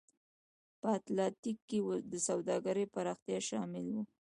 په اتلانتیک کې د سوداګرۍ پراختیا شامل و.